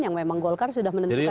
yang memang golkar sudah menentukan